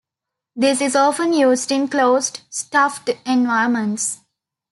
This is often used in closed, "stuffed" environments.